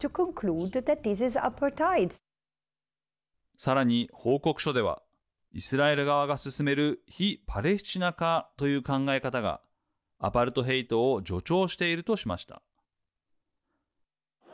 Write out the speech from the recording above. さらに報告書ではイスラエル側が進める非パレスチナ化という考え方がアパルトヘイトを助長しているとしました。